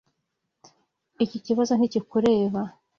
Iki kibazo ntikureba.